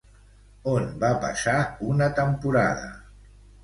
On va passar una temporada?